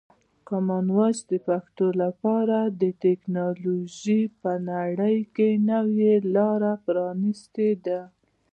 کامن وایس د پښتو لپاره د ټکنالوژۍ په نړۍ کې نوې لاره پرانیستې ده.